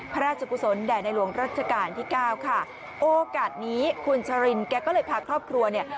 พระราชกุศลแด่ในหลวงรัชกาลที่เก้าค่ะโอกาสนี้คุณชรินแกก็เลยพาครอบครัวเนี่ย